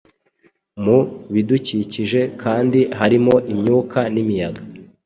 Mu bidukikije kandi harimo imyuka n’imiyaga